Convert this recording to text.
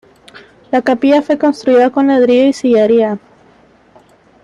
La capilla fue construida con ladrillo y sillería.